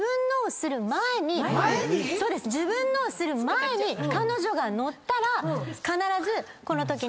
前に⁉自分のをする前に彼女が乗ったら必ずこのとき。